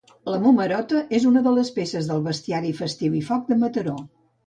La Momerota és una de les peces del bestiari festiu i foc de Mataró